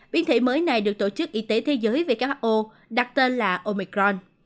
biến thể mới này được tổ chức y tế thế giới who đặt tên là omicron